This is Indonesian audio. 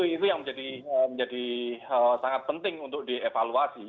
itu yang menjadi sangat penting untuk dievaluasi